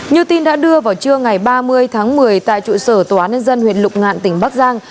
như tin đã đưa vào trưa ngày ba mươi tháng một mươi tại trụ sở tòa án nhân dân huyện lục ngạn tỉnh bắc giang